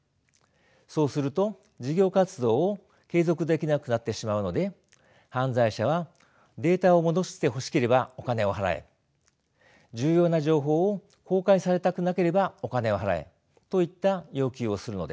そうすると事業活動を継続できなくなってしまうので犯罪者は「データを戻してほしければお金を払え」「重要な情報を公開されたくなければお金を払え」といった要求をするのです。